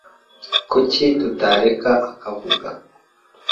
Kuki tutareka akavuga.